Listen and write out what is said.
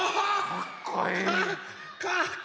かっこいい！